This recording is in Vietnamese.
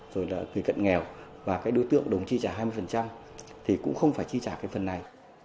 rồi là người cận nghèo và cái đối tượng đồng chi trả hai mươi thì cũng không phải chi trả cái phần này